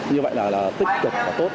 như vậy là tích cực và tốt